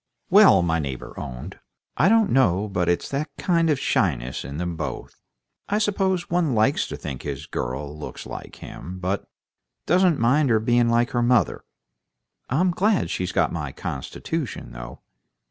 "Well," my neighbor owned, "I don't know but it's that kind of shyness in them both. I suppose one likes to think his girl looks like him, but doesn't mind her being like her mother. I'm glad she's got my constitution, though.